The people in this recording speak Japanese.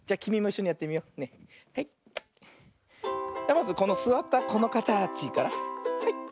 まずこのすわったこのかたちからはい。